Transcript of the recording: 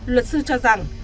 luật sư cho rằng